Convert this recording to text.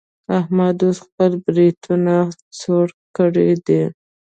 احمد اوس خپل برېتونه څوړ کړي دي.